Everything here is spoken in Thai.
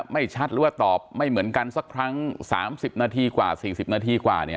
ไม่ชัดหรือว่าตอบไม่เหมือนกันสักครั้ง๓๐นาทีกว่า๔๐นาทีกว่า